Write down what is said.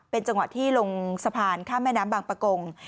จังหวะที่ลงสะพานข้ามแม่น้ำบางประกง